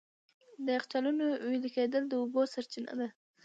د یخچالونو وېلې کېدل د اوبو سرچینه ده.